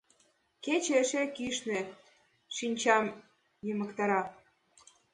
Кече эше кӱшнӧ, шинчам йымыктара.